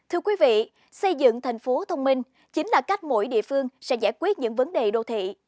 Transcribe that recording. thưa quý vị xây dựng thành phố thông minh chính là cách mỗi địa phương sẽ giải quyết những vấn đề đô thị